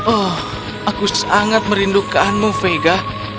oh aku sangat merindukanmu vega